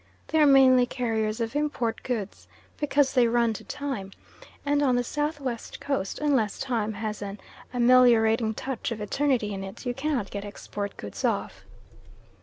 They are mainly carriers of import goods, because they run to time, and on the South west Coast unless Time has an ameliorating touch of Eternity in it you cannot get export goods off.